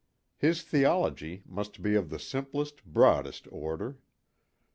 His theology must be of the simplest, broadest order.